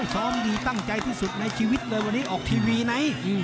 ซ้อมดีตั้งใจที่สุดในชีวิตเลยวันนี้ออกทีวีไหน